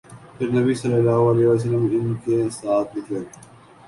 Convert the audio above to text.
پھر نبی صلی اللہ علیہ وسلم ان کے ساتھ نکلے